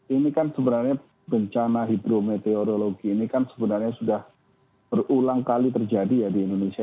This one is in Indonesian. ini kan sebenarnya bencana hidrometeorologi ini kan sebenarnya sudah berulang kali terjadi ya di indonesia